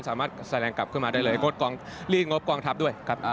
สามารถแสดงกลับมาได้เลยรีดงบกองทัพด้วย